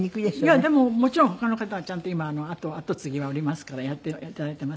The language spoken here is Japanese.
いやでももちろん他の方がちゃんと今後継ぎはおりますからやって頂いていますけど。